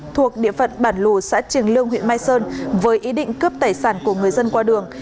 thuộc địa phận bản lùa xã trường lương huyện mai sơn với ý định cướp tài sản của người dân qua đường